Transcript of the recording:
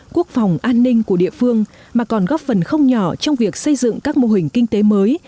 quốc phòng an ninh của địa phương mà còn góp phần không nhỏ trong việc xây dựng các mô hình kinh tế mới